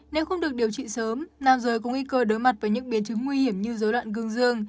nếu không được điều trị sớm nam giới có nguy cơ đối mặt với những biến chứng nguy hiểm như dối loạn cương dương